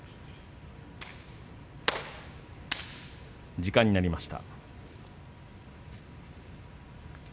時間になりました。